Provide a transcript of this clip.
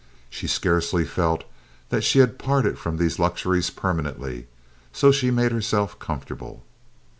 She scarcely felt that she had parted from these luxuries permanently, and so made herself comfortable.